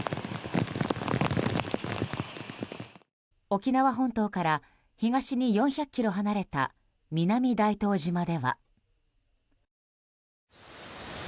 沖縄本島から東に４００ｋｍ離れた南大東島では。